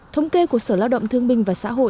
thống kê của sở lao động thương binh và xã hội